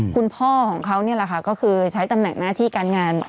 คุณพ่อของเขาก็คือใช้ตำแหน่งหน้าที่การงาน